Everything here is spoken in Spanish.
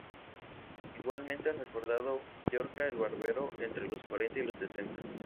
Igualmente es recordado Llorca el barbero, entre los cuarenta y los setenta.